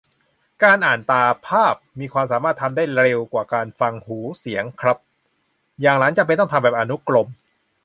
การอ่าน ตา-ภาพ มีความสามารถทำได้เร็วกว่าการฟัง หู-เสียง ครับ - อย่างหลังจำเป็นต้องทำแบบอนุกรม